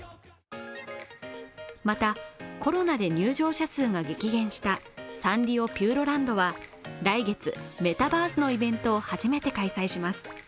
また、コロナで入場者数が激減したサンリオピューロランドは、来月メタバースのイベントを初めて開催します。